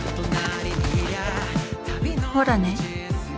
ほらね